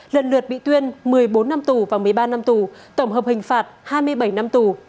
lần lượt bị tuyên một mươi bốn năm tù và một mươi ba năm tù tổng hợp hình phạt hai mươi bảy năm tù